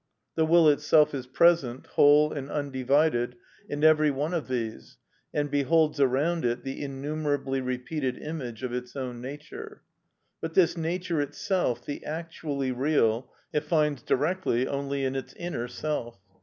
The will itself is present, whole and undivided, in every one of these, and beholds around it the innumerably repeated image of its own nature; but this nature itself, the actually real, it finds directly only in its inner self.